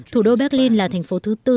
thủ đô berlin là thành phố thứ tư